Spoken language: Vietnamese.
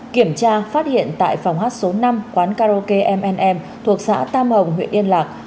kiểm tra phát hiện tại phòng hát số năm quán karaoke mn thuộc xã tam hồng huyện yên lạc